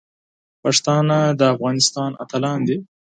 پښتانه د افغانستان اتلان دي.